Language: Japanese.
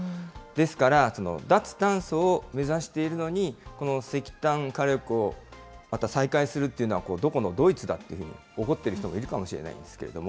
ですから、脱炭素を目指しているのに、この石炭火力をまた再開するっていうのは、どこのどいつだってっていうふうに怒っている人もいるかもしれないんですけど。